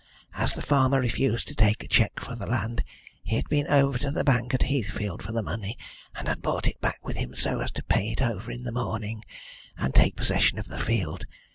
As the farmer refused to take a cheque for the land he had been over to the bank at Heathfield for the money, and had brought it back with him so as to pay it over in the morning and take possession of the field.